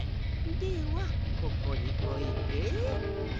ではここにおいて。